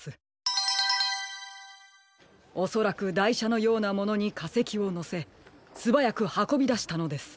おそらくだいしゃのようなものにかせきをのせすばやくはこびだしたのです。